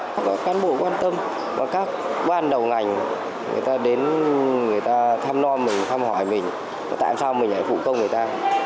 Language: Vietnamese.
các cán bộ quan tâm và các ban đầu ngành người ta đến người ta thăm lo mình thăm hỏi mình tại sao mình lại phụ công người ta